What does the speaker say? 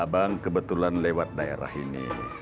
abang kebetulan lewat daerah ini